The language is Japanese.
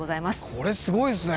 これすごいですね。